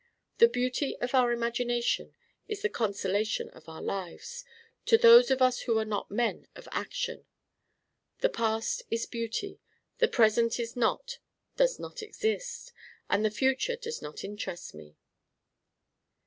The beauty of our imagination is the consolation of our lives, to those of us who are not men of action. The past is beauty. The present is not, does not exist. And the future does not interest me."